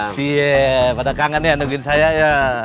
siye pada kangen ya nungguin saya ya